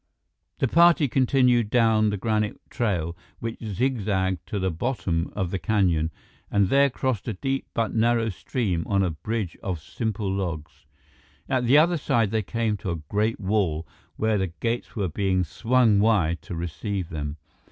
The party continued down the granite trail, which zigzagged to the bottom of the canyon and there crossed a deep but narrow stream on a bridge of simple logs. At the other side, they came to a great wall, where gates were being swung wide to receive them.